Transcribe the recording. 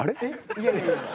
いやいやいや。